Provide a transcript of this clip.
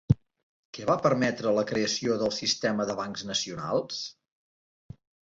Què va permetre la creació del sistema de bancs nacionals?